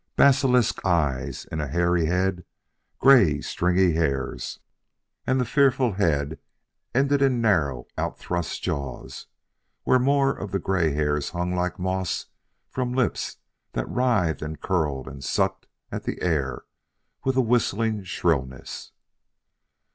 Basilisk eyes in a hairy head; gray, stringy hairs; and the fearful head ended in narrow, outthrust jaws, where more of the gray hairs hung like moss from lips that writhed and curled and sucked at the air with a whistling shrillness.